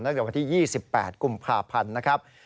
นักเดียวกันที่๒๘กุมภาพันธุ์